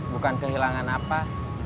bukan kehilangan apa